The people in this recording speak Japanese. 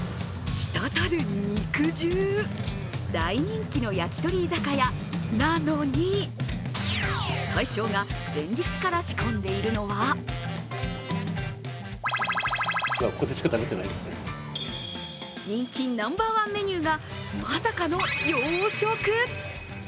したたる肉汁、大人気のやきとり居酒屋、なのに大将が前日から仕込んでいるのは人気ナンバーワンメニューが、まさかの洋食！？